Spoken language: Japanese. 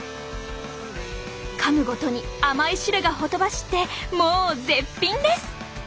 かむごとに甘い汁がほとばしってもう絶品です。